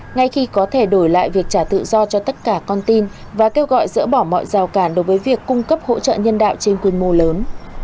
ngay khi có thể đổi lại việc trả tự do cho tất cả con tin và kêu gọi dỡ bỏ mọi rào cản đối với việc cung cấp hỗ trợ nhân đạo trên quy mô lớn